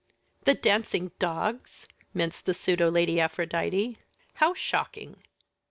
"The dancing dogs!" minced the pseudo Lady Aphrodite. "How shocking!"